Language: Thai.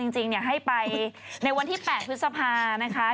จริงให้ไปในวันที่๘พฤษภานะคะ